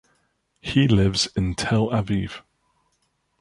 He lives in Tel Aviv.